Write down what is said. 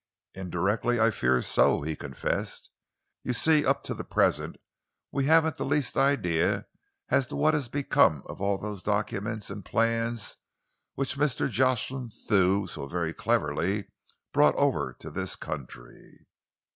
"Indirectly I fear so," he confessed. "You see, up to the present we haven't the least idea as to what has become of all those documents and plans which Mr. Jocelyn Thew so very cleverly brought over to this country."